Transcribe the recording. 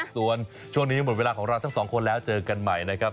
ส่วนช่วงนี้หมดเวลาของเราทั้งสองคนแล้วเจอกันใหม่นะครับ